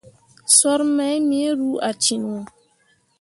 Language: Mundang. Soor mai me ru a ciŋwo.